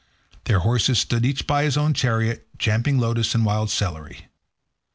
Their horses stood each by his own chariot, champing lotus and wild celery.